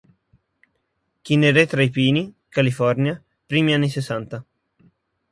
Kinneret-tra-i-pini, California, primi anni sessanta.